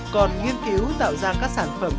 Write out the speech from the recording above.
còn nghiên cứu tạo ra các sản phẩm